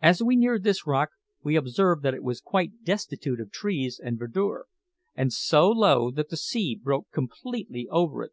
As we neared this rock we observed that it was quite destitute of trees and verdure, and so low that the sea broke completely over it.